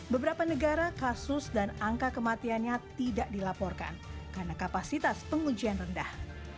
beberapa negara kasus dan angka kematiannya tidak dilaporkan karena kapasitas pengujian rendah